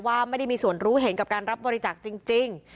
ว่าไม่ได้มีส่วนรู้เห็นกับการรับบริจาคจริง